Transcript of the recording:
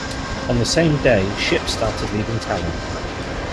On the same day ships started leaving Tallinn.